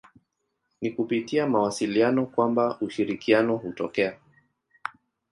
Ni kupitia mawasiliano kwamba ushirikiano hutokea.